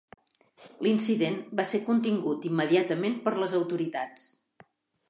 L'incident va ser contingut immediatament per les autoritats.